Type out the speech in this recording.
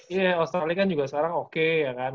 iya australia kan juga sekarang oke ya kan